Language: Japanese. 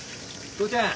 父ちゃん